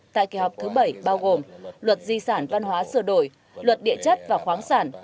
tại kỳ họp thứ bảy bao gồm luật di sản văn hóa sửa đổi luật địa chất và khoáng sản